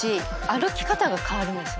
歩き方が変わるんです。